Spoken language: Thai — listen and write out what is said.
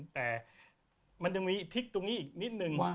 แต่มันยังมีทิศตรงนี้อีกนิดนึง